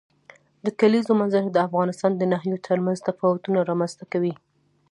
د کلیزو منظره د افغانستان د ناحیو ترمنځ تفاوتونه رامنځ ته کوي.